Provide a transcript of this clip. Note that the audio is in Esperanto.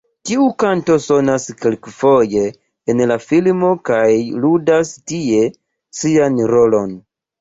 Tiu kanto sonas kelkfoje en la filmo kaj ludas tie sian rolon.